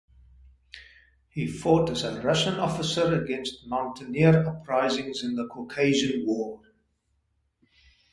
He fought as a Russian officer against mountaineer uprisings in the Caucasian War.